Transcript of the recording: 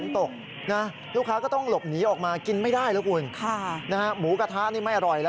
โทษทีโทษทีโทษทีโทษทีโทษที